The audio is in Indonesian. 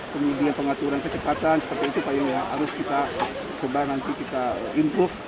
kemudian pengaturan kecepatan seperti itu pak yunus harus kita coba nanti kita improve